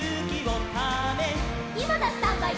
「いまだ！スタンバイ！